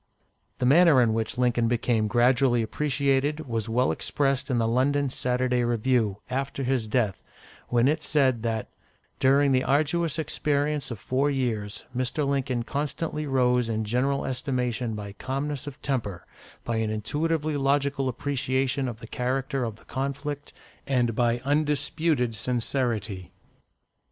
The manner in which Lincoln became gradually appreciated was well expressed in the London "Saturday Review," after his death, when it said that, "during the arduous experience of four years, Mr. Lincoln constantly rose in general estimation by calmness of temper, by an intuitively logical appreciation of the character of the conflict, and by undisputed sincerity."